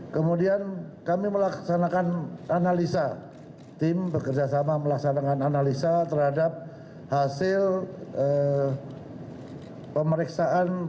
kemudian kami melaksanakan analisa tim bekerjasama melaksanakan analisa terhadap hasil pemeriksaan